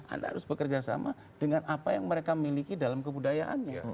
anda harus bekerja sama dengan apa yang mereka miliki dalam kebudayaannya